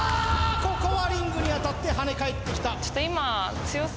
ここはリングに当たって跳ね返ってきた